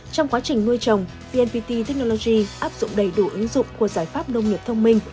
trong quá trình nuôi trồng vnpt technology áp dụng đầy đủ ứng dụng của giải pháp nông nghiệp thông minh